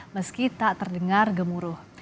meski tak terdengar gemuruh